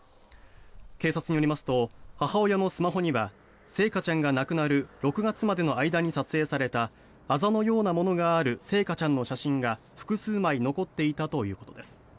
警察によりますと母親のスマホには星華ちゃんが亡くなる６月までの間に撮影されたあざのようなものがある星華ちゃんの写真が複数枚残っていたということです。